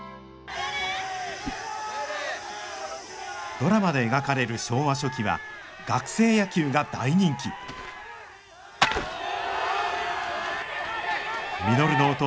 ドラマで描かれる昭和初期は学生野球が大人気稔の弟